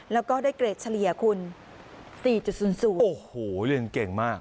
แล้วก็ได้เกรดเฉลี่ยคุณ๔๐๐โอ้โหเรียนเก่งมาก